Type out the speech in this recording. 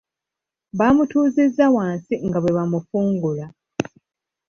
Baamutuuzizza wansi nga bwe bamufungula.